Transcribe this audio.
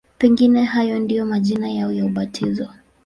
Pengine hayo ndiyo majina yao ya ubatizo.